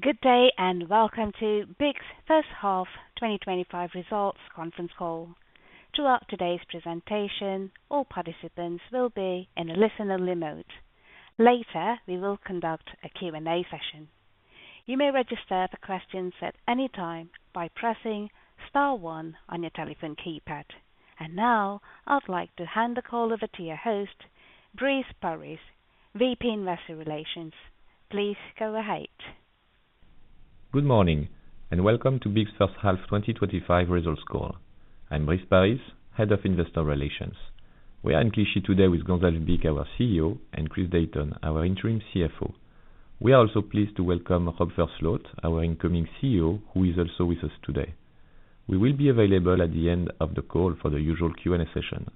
Good day and welcome to BIC's First Half 2025 Results Conference Call. Throughout today's presentation, all participants will be in a listen-only mode. Later, we will conduct a Q&A session. You may register for questions at any time by pressing one on your telephone keypad. Now I'd like to hand the call over to your host, Brice Paris, VP Investor Relations. Please go ahead. Good morning and welcome to BIC's First Half 2025 Results Call. I'm Brice Paris, Head of Investor Relations. We are in Clichy today with Gonzalve Bich, our CEO, and Chris Dayton, our Interim CFO. We are also pleased to welcome Rob Versloot, our incoming CEO who is also with us today. We will be available at the end of the call for the usual Q&A session.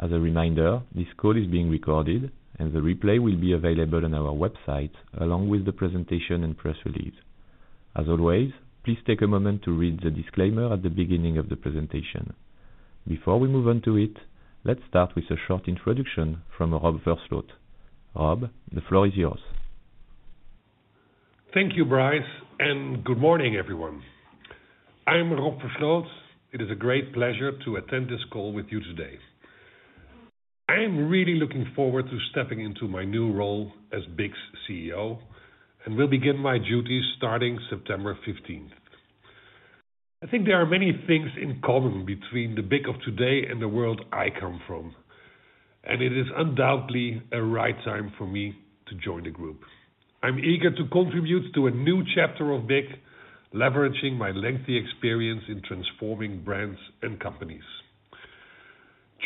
As a reminder, this call is being recorded and the replay will be available on our website along with the presentation and press release. As always, please take a moment to read the disclaimer at the beginning of the presentation. Before we move on to it, let's start with a short introduction from Rob Versloot. Rob, the floor is yours. Thank you, Brice, and good morning everyone. I am Rob Versloot. It is a great pleasure to attend this call with you today. I am really looking forward to stepping into my new role as BIC's CEO and will begin my duties starting September 15th. I think there are many things in common between the BIC of today and the world I come from and it is undoubtedly a right time for me to join the group. I am eager to contribute to a new chapter of BIC leveraging my lengthy experience in transforming brands and companies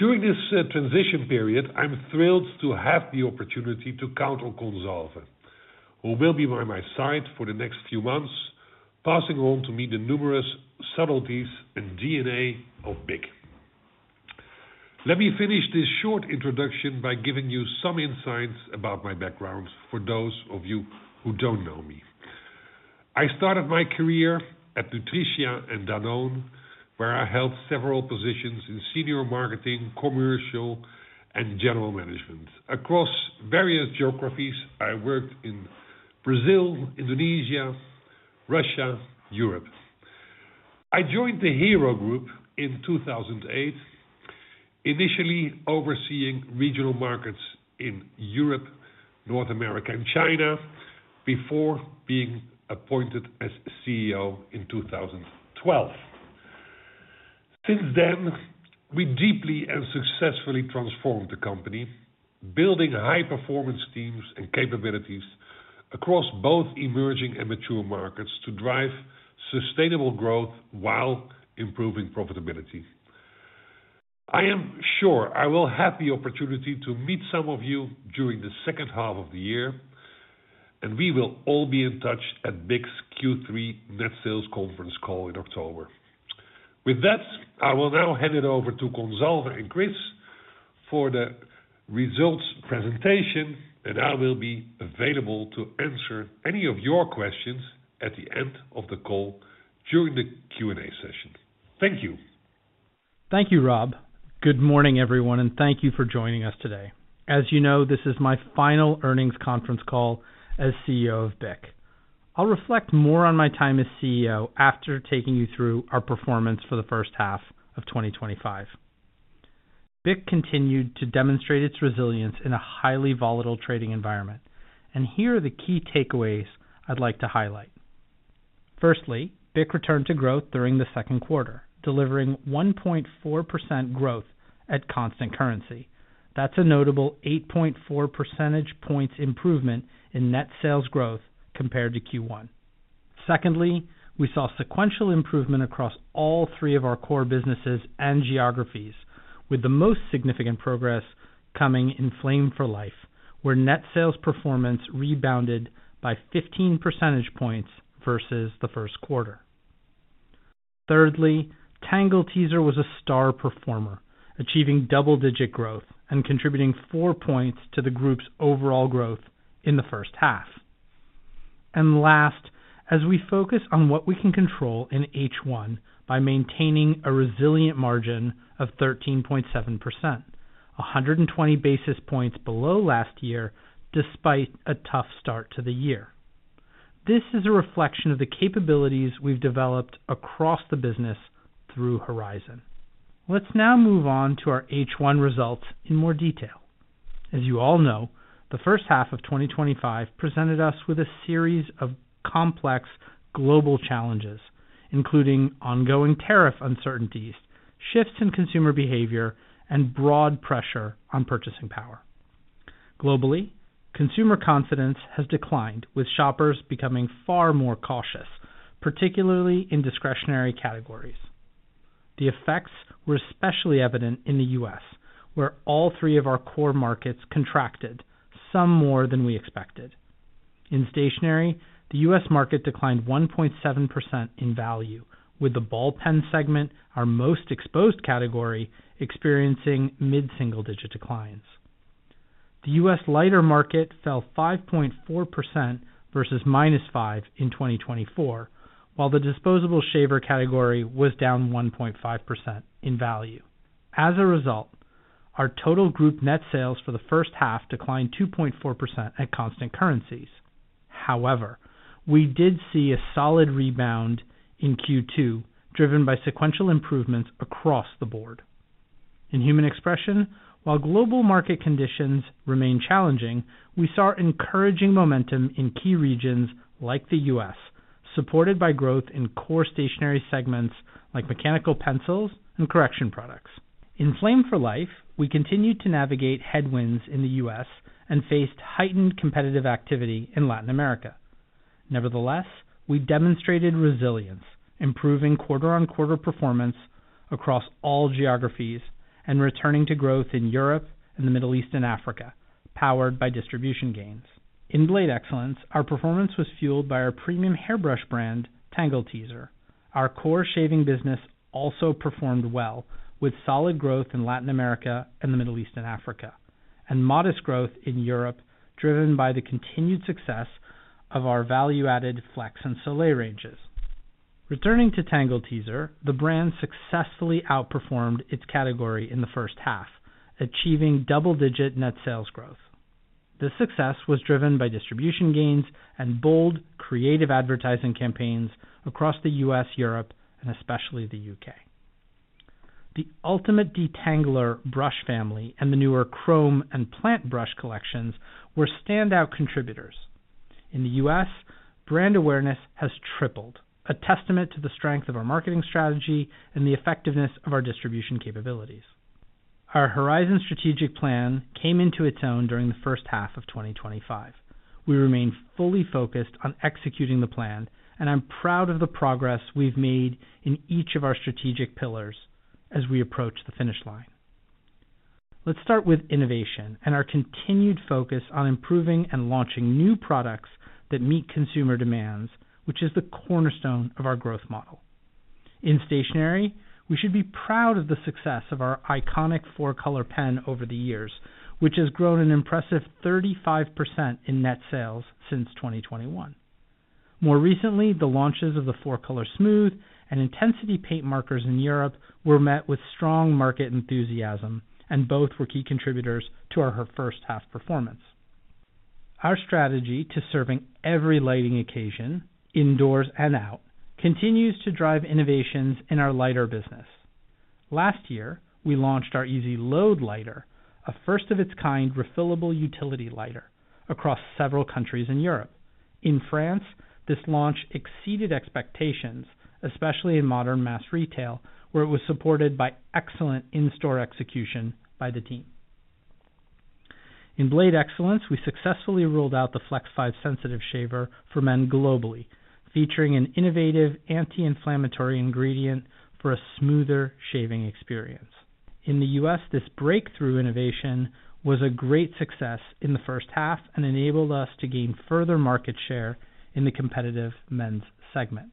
during this transition period. I'm thrilled to have the opportunity to count on Gonzalve, who will be by my side for the next few months, passing on to me the numerous subtleties and DNA of BIC. Let me finish this short introduction by giving you some insights about my background. For those of you who don't know me, I started my career at Nutrition and Danone where I held several positions in Senior Marketing, Commercial, and General Management across various geographies. I worked in Brazil, Indonesia, Russia, and Europe. I joined the Hero Group in 2008, initially overseeing regional markets in Europe, North America, and China before being appointed as CEO in 2012. Since then, we deeply and successfully transformed the company, building high performance teams and capabilities across both emerging and mature markets to drive sustainable growth while improving profitability. I am sure I will have the opportunity to meet some of you during the second half of the year and we will all be in touch at BIC's Q3 net sales conference call in October. With that, I will now hand it over to Gonzalve and Chris for the results presentation and I will be available to answer any of your questions at the end of the call during the Q&A session. Thank you. Thank you, Rob. Good morning everyone, and thank you for joining us today. As you know, this is my final earnings conference call as CEO of BIC. I'll reflect more on my time as CEO after taking you through our performance for the first half of 2025. BIC continued to demonstrate its resilience in a highly volatile trading environment, and here are the key takeaways I'd like to highlight. Firstly, BIC returned to growth during the second quarter, delivering 1.4% growth at constant currency. That's a notable 8.4 percentage points improvement in net sales growth compared to Q1. Secondly, we saw sequential improvement across all three of our core businesses and geographies, with the most significant progress coming in Flame for Life, where net sales performance rebounded by 15 percentage points versus the first quarter. Thirdly, Tangle Teezer was a star performer, achieving double-digit growth and contributing 4 points to the group's overall growth in the first half. Last, as we focus on what we can control in H1 by maintaining a resilient margin of 13.7%, 120 basis points below last year despite a tough start to the year. This is a reflection of the capabilities we've developed across the business through Horizon. Let's now move on to our H1 results in more detail. As you all know, the first half of 2025 presented us with a series of complex global challenges, including ongoing tariff uncertainties, shifts in consumer behavior, and broad pressure on purchasing power. Globally, consumer confidence has declined, with shoppers becoming far more cautious, particularly in discretionary categories. The effects were especially evident in the U.S., where all three of our core markets contracted, some more than we expected. In stationery, the U.S. market declined 1.7% in value, with the ball pen segment, our most exposed category, experiencing mid-single-digit declines. The U.S. lighter market fell 5.4% versus -5% in 2024, while the disposable shaver category was down 1.5% in value. As a result, our total group net sales for the first half declined 2.4% at constant currencies. However, we did see a solid rebound in Q2, driven by sequential improvements across the board in Human Expression. While global market conditions remain challenging, we saw encouraging momentum in key regions like the U.S., supported by growth in core stationery segments like mechanical pencils and correction products. In Flame for Life, we continue to navigate headwinds in the U.S. and faced heightened competitive activity in Latin America. Nevertheless, we demonstrated resilience, improving quarter-on-quarter performance across all geographies and returning to growth in Europe and the Middle East and Africa. Powered by distribution gains in Blade Excellence, our performance was fueled by our premium hairbrush brand Tangle Teezer. Our core shaving business also performed well with solid growth in Latin America and the Middle East and Africa and modest growth in Europe driven by the continued success of our value-added Flex and Soleil ranges. Returning to Tangle Teezer, the brand successfully outperformed its category in the first half, achieving double-digit net sales growth. This success was driven by distribution gains and bold creative advertising campaigns across the U.S., Europe, and especially the U.K. The Ultimate Detangler brush family and the newer Chrome and Plant brush collections were standout contributors in the U.S. Brand awareness has tripled, a testament to the strength of our marketing strategy and the effectiveness of our distribution capabilities. Our Horizon Strategic Plan came into its own during the first half of 2025. We remain fully focused on executing the plan and I'm proud of the progress we've made in each of our strategic pillars as we approach the finish line. Let's start with innovation and our continued focus on improving and launching new products that meet consumer demands, which is the cornerstone of our growth model. In stationery, we should be proud of the success of our iconic 4-Color pen over the years, which has grown an impressive 35% in net sales since 2021. More recently, the launches of the 4-Color Smooth and Intensity Paint markers in Europe were met with strong market enthusiasm and both were key contributors to our first half performance. Our strategy to serving every lighting occasion indoors and out continues to drive innovations in our lighter business. Last year we launched our Easy Load Lighter, a first-of-its-kind refillable utility lighter across several countries in Europe. In France, this launch exceeded expectations, especially in modern mass retail where it was supported by excellent in-store execution by the team. In Blade Excellence, we successfully rolled out the Flex 5 Sensitive Shaver for men globally, featuring an innovative anti-inflammatory ingredient for a smoother shaving experience. In the U.S. this breakthrough innovation was a great success in the first half and enabled us to gain further market share in the competitive men's segment.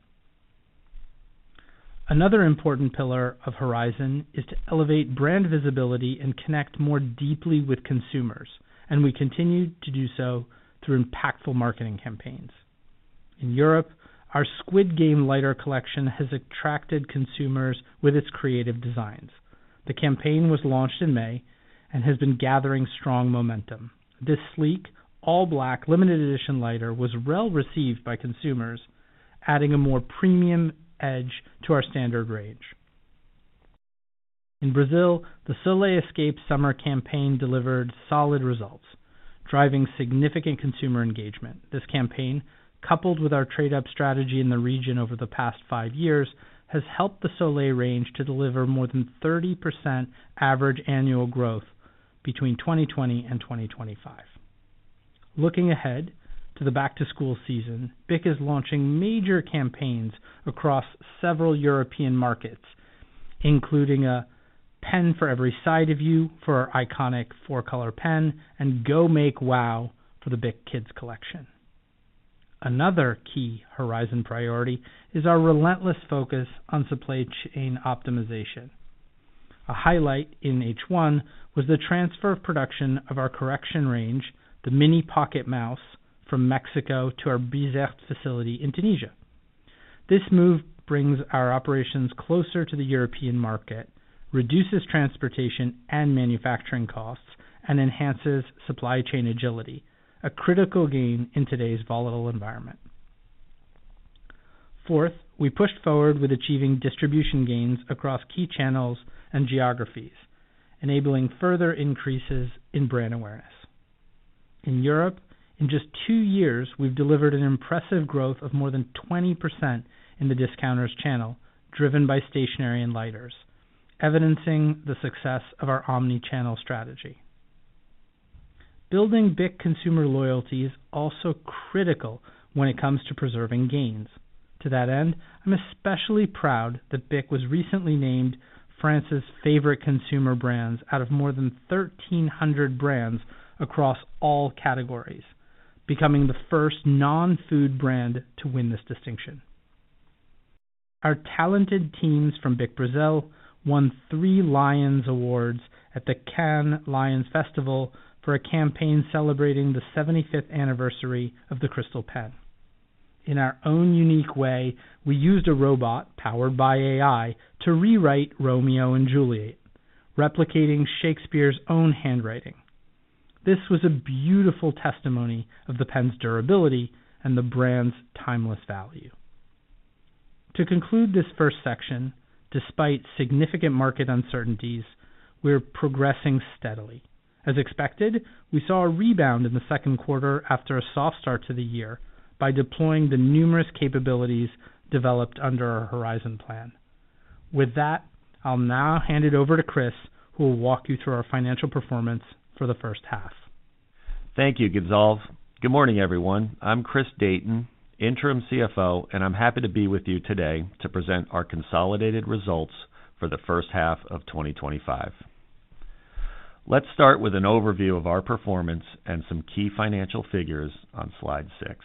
Another important pillar of Horizon is to elevate brand visibility and connect more deeply with consumers, and we continue to do so through impactful marketing campaigns. In Europe, our Squid Game Lighter Collection has attracted consumers with its creative designs. The campaign was launched in May and has been gathering strong momentum. This sleek all-black limited edition lighter was well received by consumers, adding a more premium edge to our standard range. In Brazil, the Soleil Escape Summer campaign delivered solid results, driving significant consumer engagement. This campaign, coupled with our trade-up strategy in the region over the past five years, has helped the Soleil range to deliver more than 30% average annual growth between 2020 and 2025. Looking ahead to the back-to-school season, BIC is launching major campaigns across several European markets, including A Pen for Every Side of You for our iconic 4-Color Smooth pen and Go Make Wow for the BIC Kids Collection. Another key Horizon priority is our relentless focus on supply chain optimization. A highlight in H1 was the transfer of production of our correction range, the Mini Pocket Mouse, from Mexico to our Bizerte facility in Tunisia. This move brings our operations closer to the European market, reduces transportation and manufacturing costs, and enhances supply chain agility, a critical gain in today's volatile environment. Fourth, we pushed forward with achieving distribution gains across key channels and geographies, enabling further increases in brand awareness. In Europe, in just two years, we've delivered an impressive growth of more than 20% in the discounters channel driven by stationery and lighters, evidencing the success of our omni-channel strategy. Building BIC consumer loyalty is also critical when it comes to preserving gains. To that end, I'm especially proud that BIC was recently named France's favorite consumer brand out of more than 1,300 brands across all categories, becoming the first non-food brand to win this distinction. Our talented teams from BIC Brazil won three Lions Awards at the Cannes Lions Festival for a campaign celebrating the 75th anniversary of the Crystal Pen. In our own unique way, we used a robot powered by AI to rewrite Romeo and Juliet, replicating Shakespeare's own handwriting. This was a beautiful testimony of the pen's durability and the brand's timeless value. To conclude this first section, despite significant market uncertainties, we are progressing steadily. As expected, we saw a rebound in the second quarter after a soft start to the year by deploying the numerous capabilities developed under our Horizon plan. With that, I'll now hand it over to Chris, who will walk you through our financial performance for the first half. Thank you, Gonzalve. Good morning everyone. I'm Chris Dayton, Interim CFO, and I'm happy to be with you today to present our consolidated results for the first half of 2025. Let's start with an overview of our performance and some key financial figures on slide 6.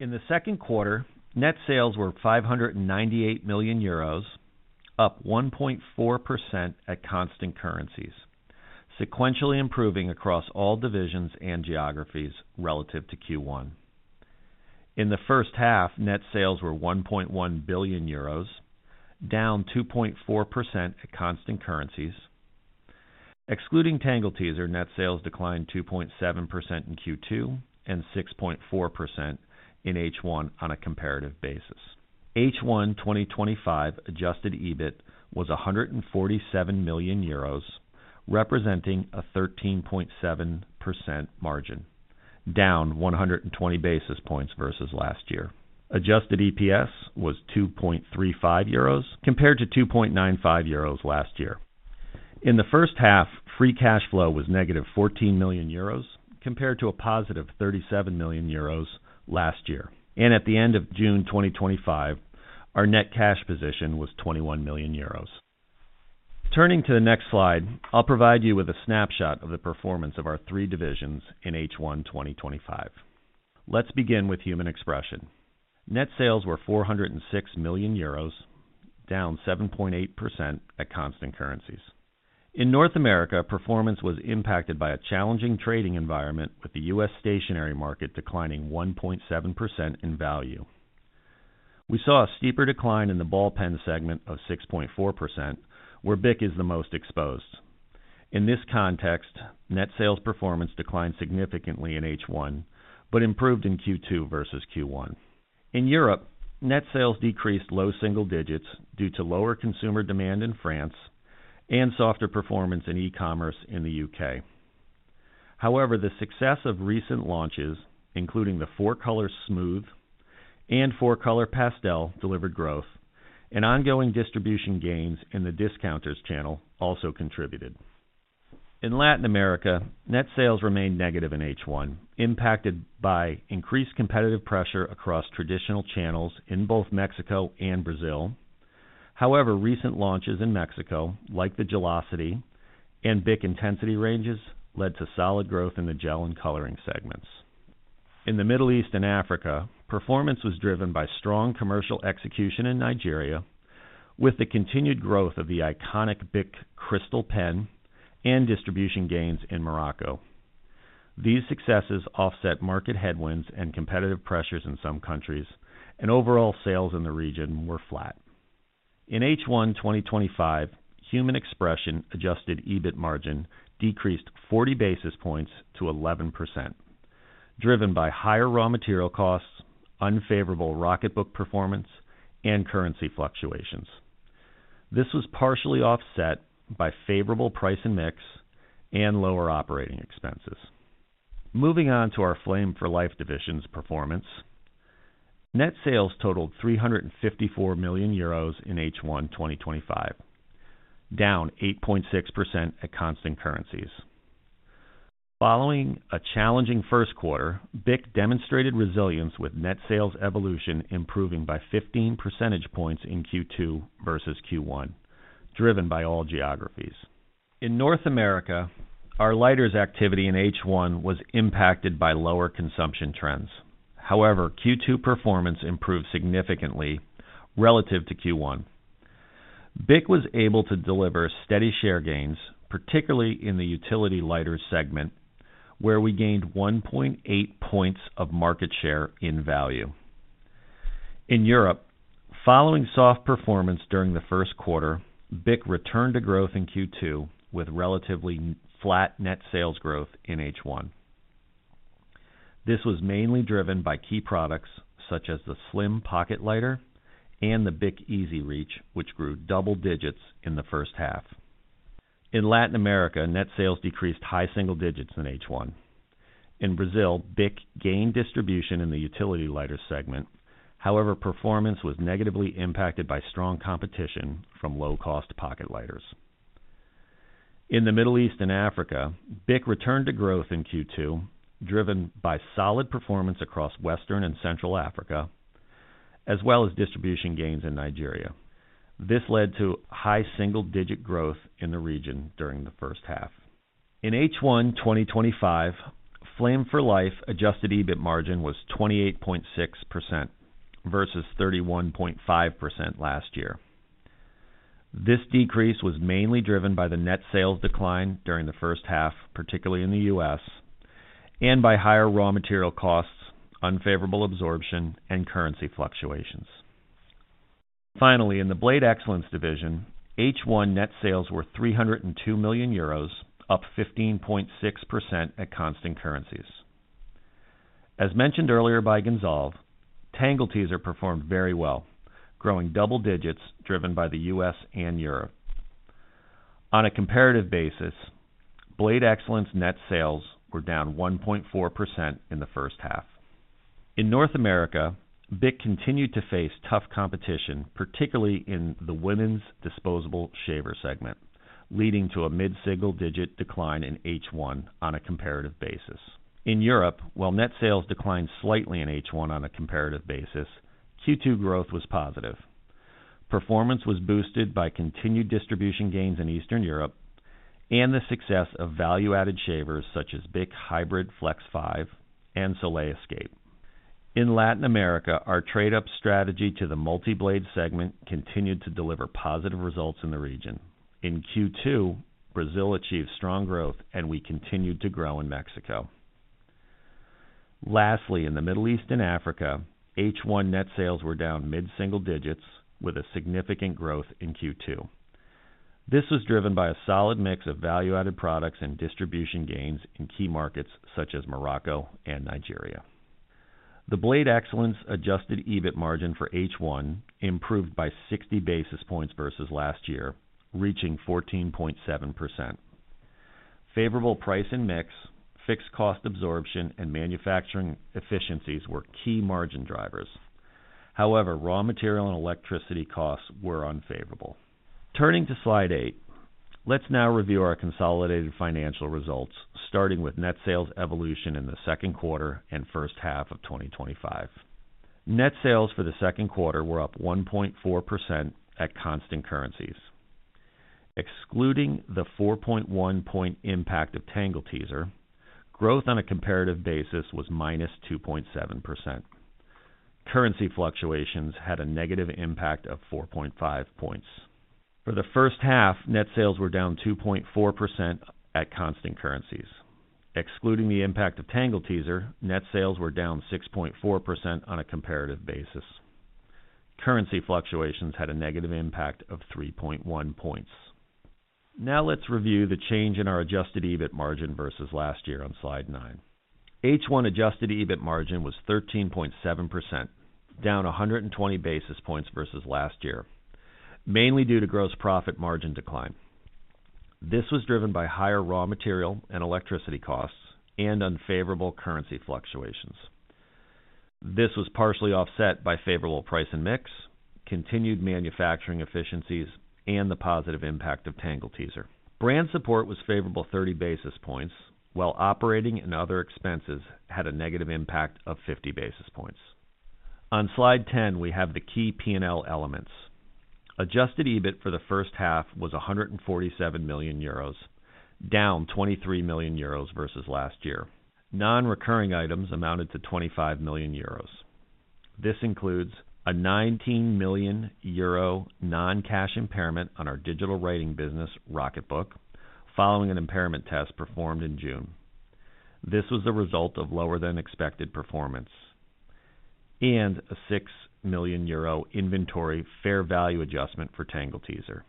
In the second quarter, net sales were 598 million euros, up 1.4% at constant currency, sequentially improving across all divisions and geographies relative to Q1. In the first half, net sales were 1.1 billion euros, down 2.4% at constant currency. Excluding Tangle Teezer, net sales declined 2.7% in Q2 and 6.4% in H1. On a comparative basis, H1 2025 adjusted EBIT was 147 million euros, representing a 13.7% margin, down 120 basis points versus last year. Adjusted EPS was 2.35 euros compared to 2.95 euros last year. In the first half, free cash flow was negative 14 million euros compared to a positive 37 million euros last year, and at the end of June 2025 our net cash position was 21 million euros. Turning to the next slide, I'll provide you with a snapshot of the performance of our three divisions in H1 2025. Let's begin with Human Expression. Net sales were 406 million euros, down 7.8% at constant currency. In North America, performance was impacted by a challenging trading environment with the U.S. stationery market declining 1.7% in value. We saw a steeper decline in the ball pen segment of 6.4% where BIC is the most exposed. In this context, net sales performance declined significantly in H1 but improved in Q2 versus Q1. In Europe, net sales decreased low single digits due to lower consumer demand in France and softer performance in e-commerce in the U.K. However, the success of recent launches including the 4-Color Smooth and 4-Color Pastel delivered growth, and ongoing distribution gains in the discounters channel also contributed. In Latin America, net sales remained negative in H1, impacted by increased competitive pressure across traditional channels in both Mexico and Brazil. However, recent launches in Mexico like the Gelocity and BIC Intensity ranges led to solid growth in the gel and coloring segments. In the Middle East and Africa, performance was driven by strong commercial execution in Nigeria with the continued growth of the iconic BIC Cristal pen and distribution gains in Morocco. These successes offset market headwinds and competitive pressures in some countries, and overall sales in the region were flat. In H1 2025, Human Expression adjusted EBIT margin decreased 40 basis points to 11% driven by higher raw material costs, unfavorable Rocketbook Performance, and currency fluctuations. This was partially offset by favorable price and mix and lower operating expenses. Moving on to our Flame for Life division's performance, net sales totaled 354 million euros in H1 2025, down 8.6% at constant currency. Following a challenging first quarter, BIC demonstrated resilience with net sales evolution improving by 15 percentage points in Q2 versus Q1, driven by all geographies. In North America, our lighters activity in H1 was impacted by lower consumption trends. However, Q2 performance improved significantly relative to Q1. BIC was able to deliver steady share gains, particularly in the utility lighter segment where we gained 1.8 points of market share in value. In Europe, following soft performance during the first quarter, BIC returned to growth in Q2 with relatively flat net sales growth in H1. This was mainly driven by key products such as the Slim Pocket Lighter and the BIC EZ Reach, which grew double digits in the first half. In Latin America, net sales decreased high single digits in H1. In Brazil, BIC gained distribution in the utility lighter segment. However, performance was negatively impacted by strong competition from low-cost pocket lighters. In the Middle East and Africa, BIC returned to growth in Q2, driven by solid performance across Western and Central Africa as well as distribution gains in Nigeria. This led to high single-digit growth in the region during the first half. In H1 2025, Flame for Life adjusted EBIT margin was 28.6% versus 31.5% last year. This decrease was mainly driven by the net sales decline during the first half, particularly in the U.S., and by higher raw material costs, unfavorable absorption, and currency fluctuations. Finally, in the Blade Excellence Division, H1 net sales were 302 million euros, up 15.6% at constant currency. As mentioned earlier by Gonzalve, Tangle Teezer performed very well, growing double digits driven by the U.S. and Europe. On a comparative basis, Blade Excellence net sales were down 1.4% in the first half. In North America, BIC continued to face tough competition, particularly in the women's disposable shaver segment, leading to a mid single-digit decline in H1 on a comparative basis. In Europe, while net sales declined slightly in H1 on a comparative basis, Q2 growth was positive. Performance was boosted by continued distribution gains in Eastern Europe and the success of value-added shavers such as BIC Hybrid Flex 5 and Soleil Escape. In Latin America, our trade-up strategy to the multi-blade segment continued to deliver positive results in the region. In Q2, Brazil achieved strong growth and we continued to grow in Mexico. Lastly, in the Middle East and Africa, H1 net sales were down mid-single digits with significant growth in Q2. This was driven by a solid mix of value-added products and distribution gains in key markets such as Morocco and Nigeria. The Blade Excellence adjusted EBIT margin for H1 improved by 60 basis points versus last year, reaching 14.7%. Favorable price and mix, fixed cost absorption, and manufacturing efficiencies were key margin drivers. However, raw material and electricity costs were unfavorable. Turning to Slide 8, let's now review our consolidated financial results starting with net sales evolution in the second quarter and first half of 2025. Net sales for the second quarter were up 1.4% at constant currency, excluding the 4.1-point impact of Tangle Teezer. Growth on a comparative basis was -2.7%. Currency fluctuations had a negative impact of 4.5 points. For the first half, net sales were down 2.4% at constant currency. Excluding the impact of Tangle Teezer, net sales were down 6.4% on a comparative basis. Currency fluctuations had a negative impact of 3.1 points. Now let's review the change in our adjusted EBIT margin versus last year on slide 9. H1 adjusted EBIT margin was 13.7%, down 120 basis points versus last year mainly due to gross profit margin decline. This was driven by higher raw material and electricity costs and unfavorable currency fluctuations. This was partially offset by favorable price and mix, continued manufacturing efficiencies, and the positive impact of Tangle Teezer. Brand support was favorable 30 basis points while operating and other expenses had a negative impact of 50 basis points. On Slide 10, we have the key P&L elements. Adjusted EBIT for the first half was 147 million euros, down 23 million euros versus last year. Non-recurring items amounted to 25 million euros. This includes a 19 million euro non-cash impairment on our digital writing business Rocketbook following an impairment test performed in June. This was the result of lower than expected performance and a 6 million euro inventory fair value adjustment for Tangle Teezer.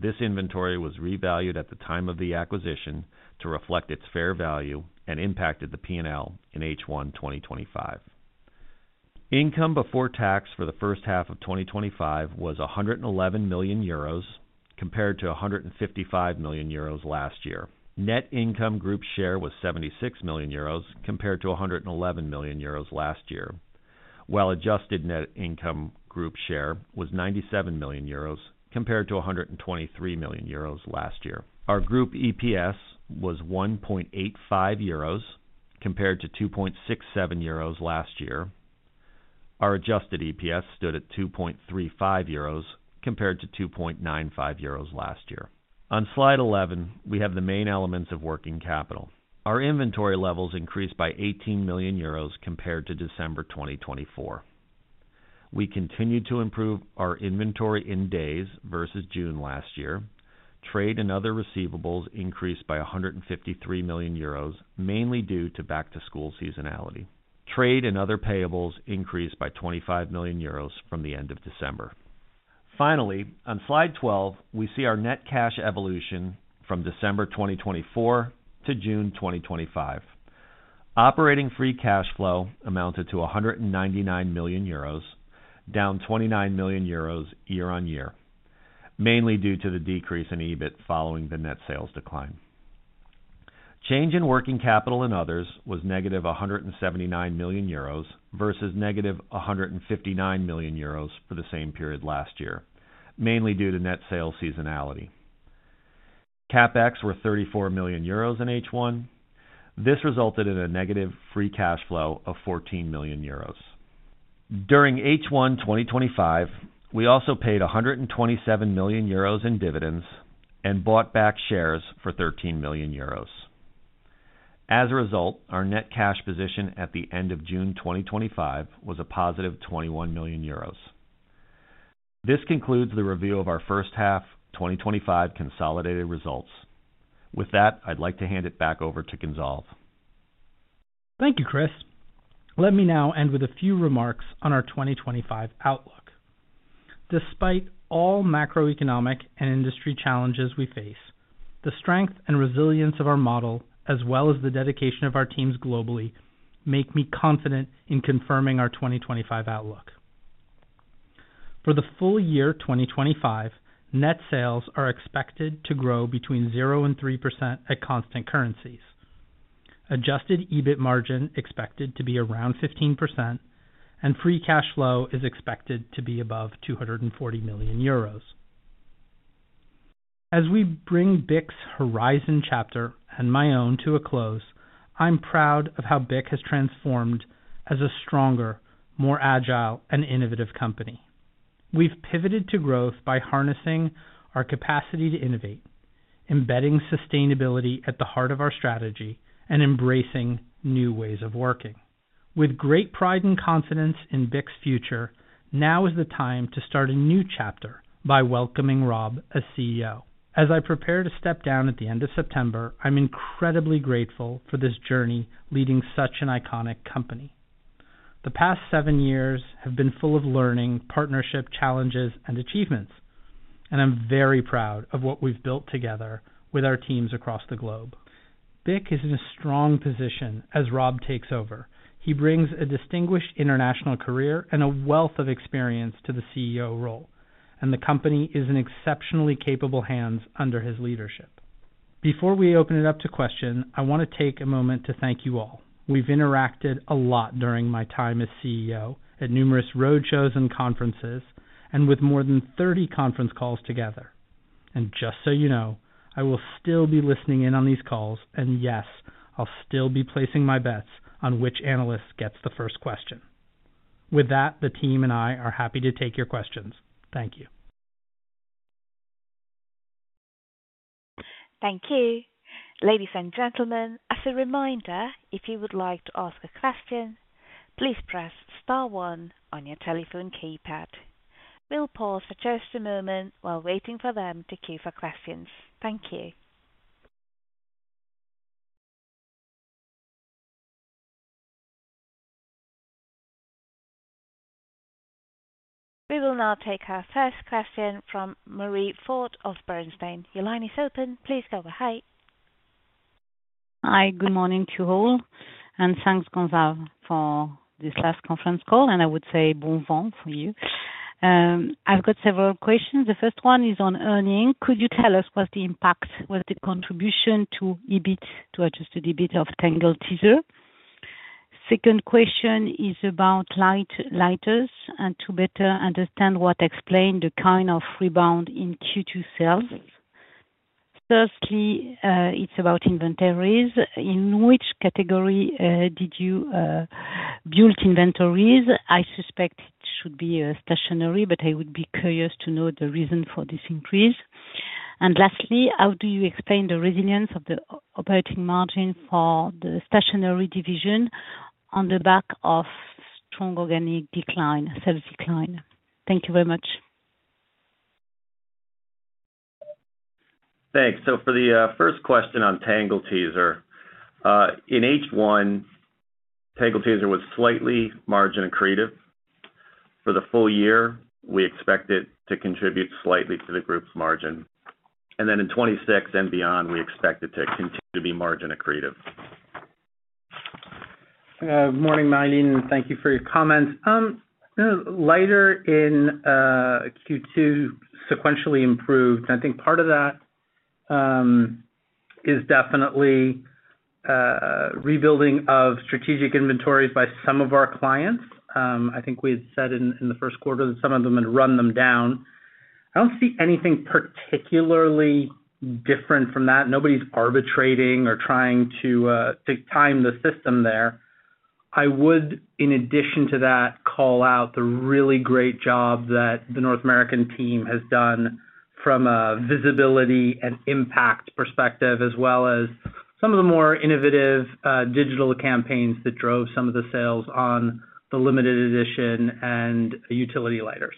This inventory was revalued at the time of the acquisition to reflect its fair value and impacted the P&L in H1 2025. Income before tax for the first half of 2025 was 111 million euros compared to 155 million euros last year. Net income group share was 76 million euros compared to 111 million euros last year, while adjusted net income group share was 97 million euros compared to 123 million euros last year. Our group EPS was 1.85 euros compared to 2.67 euros last year. Our adjusted EPS stood at 2.35 euros compared to 2.95 euros last year. On slide 11, we have the main elements of working capital. Our inventory levels increased by 18 million euros compared to December 2024. We continued to improve our inventory in days versus June last year. Trade and other receivables increased by 153 million euros, mainly due to back-to-school seasonality. Trade and other payables increased by 25 million euros from the end of December. Finally, on slide 12, we see our net cash evolution. From December 2024 to June 2025, operating free cash flow amounted to 199 million euros, down 29 million euros year on year, mainly due to the decrease in EBIT following the net sales decline. Change in working capital and others was negative 179 million euros versus negative 159 million euros for the same period last year, mainly due to net sales seasonality. CapEx were 34 million euros in H1. This resulted in a negative free cash flow of 14 million euros during H1 2025. We also paid 127 million euros in dividends and bought back shares for 13 million euros. As a result, our net cash position at the end of June 2025 was a positive 21 million euros. This concludes the review of our first half 2025 consolidated results. With that, I'd like to hand it back over to Gonzalve. Thank you, Chris. Let me now end with a few remarks on our 2025 outlook. Despite all macroeconomic and industry challenges we face, the strength and resilience of our model, as well as the dedication of our teams globally, make me confident in confirming our 2025 outlook for the full year. 2025 net sales are expected to grow between 0% and 3% at constant currency, adjusted EBIT margin expected to be around 15%, and free cash flow is expected to be above 240 million euros. As we bring BIC's Horizon chapter and my own to a close, I'm proud of how BIC has transformed as a stronger, more agile, and innovative company. We've pivoted to growth by harnessing our capacity to innovate, embedding sustainability at the heart of our strategy, and embracing new ways of working with great pride and confidence in BIC's future. Now is the time to start a new chapter by welcoming Rob as CEO. As I prepare to step down at the end of September, I'm incredibly grateful for this journey of leading such an iconic company. The past seven years have been full of learning, partnership, challenges, and achievements, and I'm very proud of what we've built together with our teams across the globe. BIC is in a strong position as Rob takes over. He brings a distinguished international career and a wealth of experience to the CEO role, and the company is in exceptionally capable hands under his leadership. Before we open it up to questions, I want to take a moment to thank you all. We've interacted a lot during my time as CEO at numerous roadshows and conferences and with more than 30 conference calls together. Just so you know, I will still be listening in on these calls and yes, I'll still be placing my bets on which analyst gets the first question. With that, the team and I are happy to take your questions. Thank you. Thank you, ladies and gentlemen. As a reminder, if you would like to ask a question, please press Star one on your telephone keypad. We'll pause for just a moment while waiting for them to queue for questions. Thank you. We will now take our first question from Marie Fort of Bernstein. Your line is open. Please go ahead. Hi, good morning to you all and thanks Gonzalve for this last conference call and I would say bon vent for you. I've got several questions. The first one is on earnings. Could you tell us what the impact was, the contribution to EBIT, to adjusted EBIT of Tangle Teezer? Second question is about lighters and to better understand what explained the kind of rebound in Q2 sales. Firstly, it's about inventories. In which category did you build inventories? I suspect it should be stationery, but I would be curious to know the reason for this increase. Lastly, how do you explain the resilience of the operating margin for the stationery division on the back of strong organic sales decline. Thank you very much. Thanks. For the first question on Tangle Teezer, in H1, Tangle Teezer was slightly margin accretive. For the full year, we expect it to contribute slightly to the group's margin, and then in 2026 and beyond, we expect it to continue to be margin accretive. Morning Marie, and thank you for your comments. Lighter in Q2 sequentially improved. I think part of that is definitely rebuilding of strategic inventories by some of our clients. I think we had said in the first quarter that some of them had run them down. I don't see anything particularly different from that. Nobody's arbitraging or trying to time the system there. I would, in addition to that, call out the really great job that the North American team has done from a visibility and impact perspective, as well as some of the more innovative digital campaigns that drove some of the sales on the limited edition and utility lighters.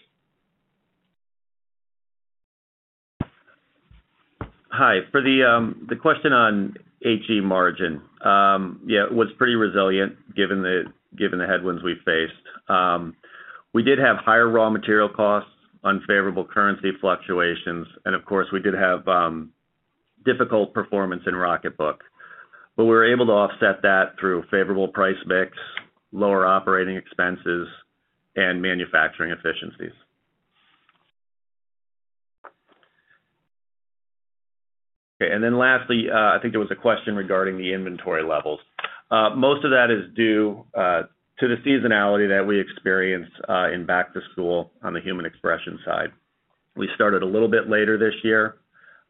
Hi, for the question on the margin, it was pretty resilient given the headwinds we faced. We did have higher raw material costs, unfavorable currency fluctuations, and of course we did have difficult performance in Rocketbook, but we were able to offset that through favorable price mix, lower operating expenses, and manufacturing efficiencies. Lastly, I think there was a question regarding the inventory levels. Most of that is due to the seasonality that we experience in Back to School. On the Human Expression side, we started a little bit later this year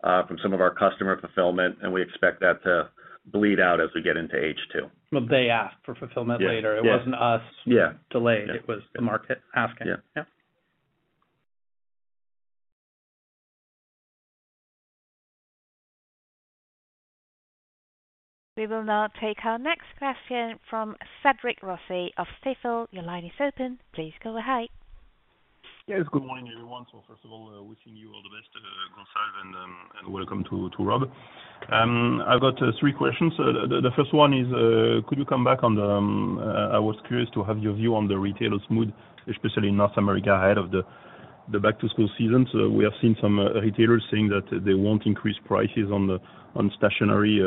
from some of our customer fulfillment, and we expect that to bleed out as we get into H2. They asked for fulfillment later. It wasn't us delayed, it was the market asking. We will now take our next question from Cédric Rossi of Stifel. Your line is open. Please go ahead. Yes, good morning everyone. First of all, wishing you all the best Gonzalve and welcome to Rob. I've got three questions. The first one is could you come back on, I was curious to have your view on the retailers' mood, especially in North America ahead of the back to school season. We have seen some retailers saying that they won't increase prices on stationery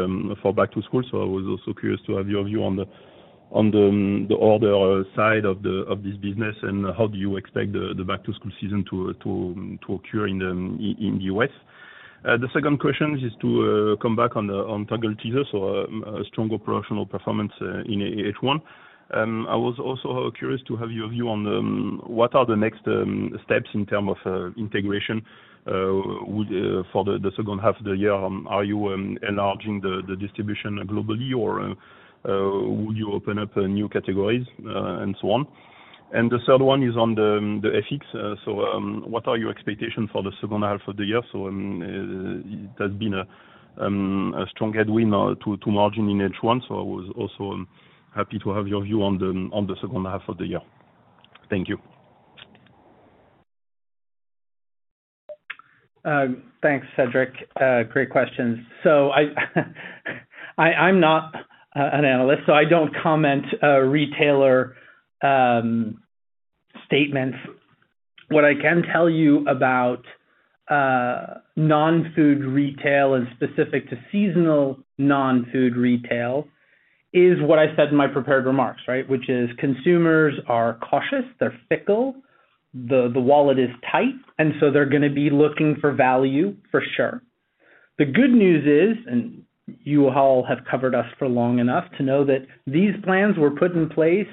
for back to school. I was also curious to have your view on the order side of this business and how you expect the back to school season to occur in the U.S. The second question is to come back on Tangle Teezer. A strong operational performance in H1. I was also curious to have your view on what are the next steps in terms of integration for the second half of the year. Are you enlarging the distribution globally or would you open up new categories and so on? The third one is on the ethics. What are your expectations for the second half of the year? There's been a strong headwind to margin in H1. I was also happy to have your view on the second half of the year. Thank you. Thanks, Cédric. Great questions. I'm not an analyst, so I don't comment on retailer statements. What I can tell you about non-food retail, and specific to seasonal non-food retail, is what I said in my prepared remarks, right? Which is, consumers are cautious, they're fickle, the wallet is tight, and they're going to be looking for value for sure. The good news is, and you all have covered us for long enough to know that these plans were put in place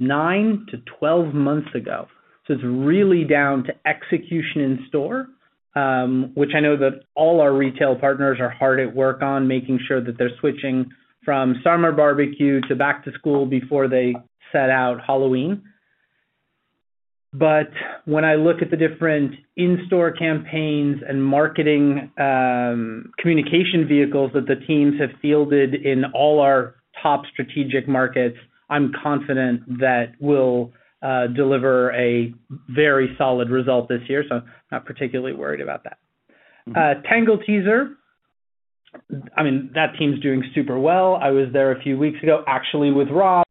nine to twelve months ago. It's really down to execution in store, which I know that all our retail partners are hard at work on, making sure that they're switching from Summer Barbecue to Back-to-School before they set out Halloween. When I look at the different in-store campaigns and marketing communication vehicles that the teams have fielded in all our top strategic markets, I'm confident that we'll deliver a very solid result this year. I'm not particularly worried about that Tangle Teezer. That team is doing super well. I was there a few weeks ago actually with Rob.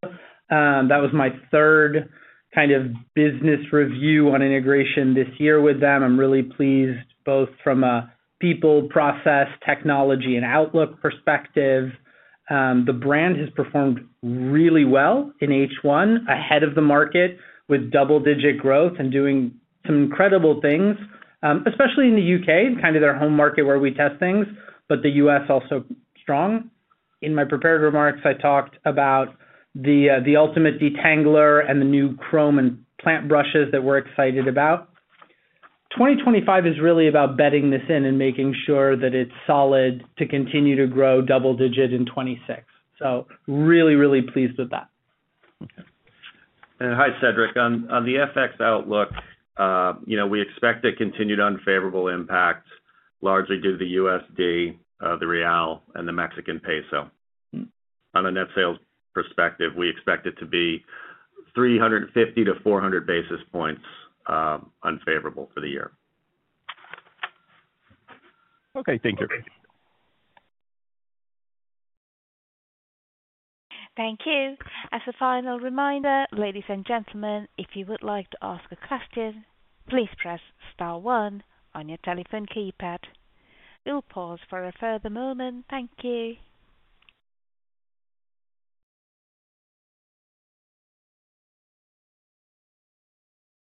That was my third kind of business review on integration this year with them. I'm really pleased both from a people, process, technology, and outlook perspective. The brand has performed really well in H1, ahead of the market with double-digit growth and doing some incredible things, especially in the U.K., kind of their home market where we test things. The U.S. is also strong. In my prepared remarks, I talked about the Ultimate Detangler and the new Chrome and Plant brushes that we're excited about. 2025 is really about bedding this in and making sure that it's solid to continue to grow double-digit in 2026. I'm really, really pleased with that. Hi Cédric. On the FX outlook, we expect a continued unfavorable impact, largely due to the USD, the Real, and the Mexican Peso. On a net sales perspective, we expect it to be 350 to 400 basis points unfavorable for the year. Okay, thank you. Thank you. As a final reminder, ladies and gentlemen, if you would like to ask a question, please press Star one on your telephone keypad. We will pause for a further moment. Thank you.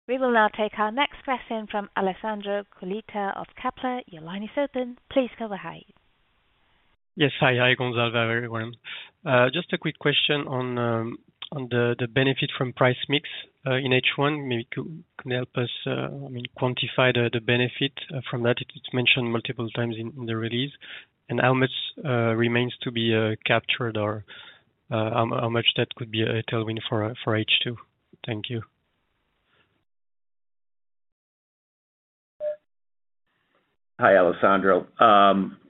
We will now take our next question from Alessandro Cuglietta of Kepler Cheuvreux. Your line is open. Please go ahead. Yes. Hi. Hi Gonzalve, everyone. Just a quick question on the benefit from price mix in H1. Maybe could help us quantify the benefit from that. It's mentioned multiple times in the release. How much remains to be captured or how much that could be a tailwind for H2? Thank you. Hi Alessandro.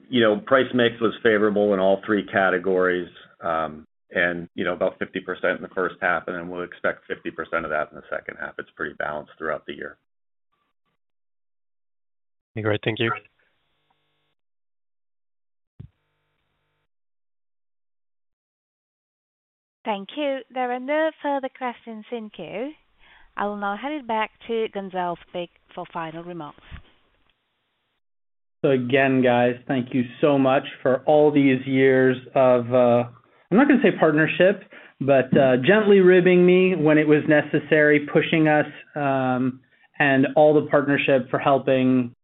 You know Price Mix was favorable in all three categories, and you know, about 50% in the first half, and then we'll expect 50% of that in the second half. It's pretty balanced throughout the year. Great. Thank you. Thank you. There are no further questions in queue. I will now hand it back to Gonzalve Bich for final remarks. Again, guys, thank you so much for all these years of, I'm not going to say partnership, but gently ribbing me when it was necessary, pushing us and all the partnership for helping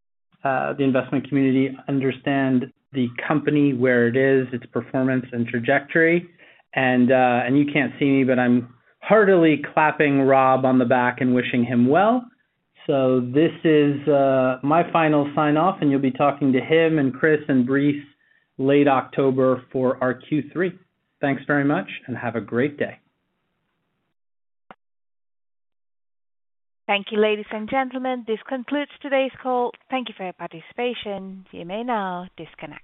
the investment community understand the company where it is, its performance and trajectory. You can't see me, but I'm heartily clapping Rob on the back and wishing him well. This is my final sign off, and you'll be talking to him and Chris and Brice late October for our Q3. Thanks very much and have a great day. Thank you. Ladies and gentlemen, this concludes today's call. Thank you for your participation. You may now disconnect.